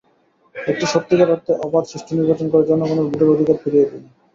একটি সত্যিকার অর্থে অবাধ, সুষ্ঠু নির্বাচন করে জনগণের ভোটের অধিকার ফিরিয়ে দিন।